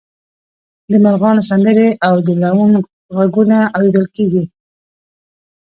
د مرغانو سندرې او د لوون غږونه اوریدل کیږي